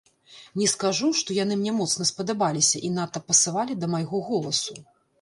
Не скажу, што яны мне моцна спадабаліся і надта пасавалі да майго голасу.